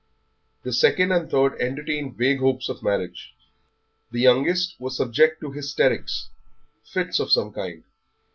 The second and third entertained vague hopes of marriage. The youngest was subject to hysterics, fits of some kind.